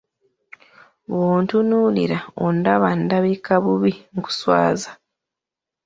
Bw'ontunuulira ondaba ndabika bubi nkuswaza?